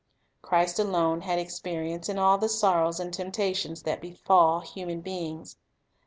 Christ alone had experience in all the sorrows and temptations that befall human beings.